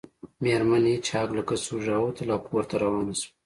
میرمن هیج هاګ له کڅوړې راووتله او کور ته روانه شوه